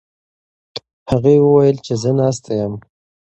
هغې وویل چې زه ناسته یم.